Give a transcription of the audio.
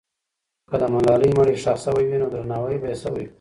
که د ملالۍ مړی ښخ سوی وي، نو درناوی به یې سوی وي.